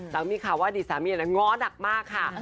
แล้วก็มีข่าวว่าอดีตสามีอันนั้นง้อนักมากค่ะ